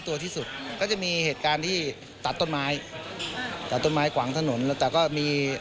ตัวที่สุดก็จะมีเหตุการณ์ที่ตัดต้นไม้ตัดต้นไม้ขวางถนนแล้วแต่ก็มี